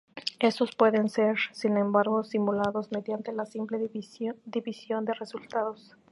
Estos pueden ser sin embargo simulados mediante la simple división de resultados.